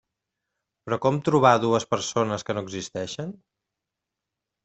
Però com trobar dues persones que no existeixen?